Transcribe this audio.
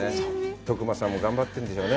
徳馬さんも頑張ってるんでしょうね。